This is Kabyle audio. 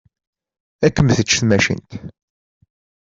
Ad kem-teǧǧ tmacint.